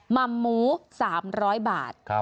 ม่ำหมู๓๐๐บาท